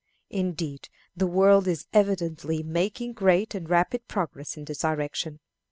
Indeed, the world is evidently making great and rapid progress in this direction.